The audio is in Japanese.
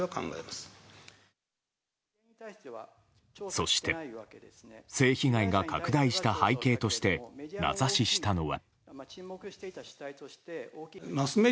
そして性被害が拡大した背景として名指ししたのは。